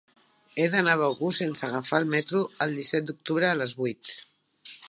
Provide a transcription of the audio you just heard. He d'anar a Begur sense agafar el metro el disset d'octubre a les vuit.